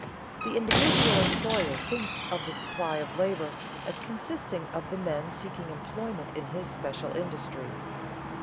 _ The individual employer thinks of the supply of labor as consisting of the men seeking employment in his special industry.